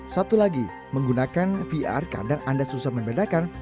satu lagi menggunakan vr kadang anda susah membedakan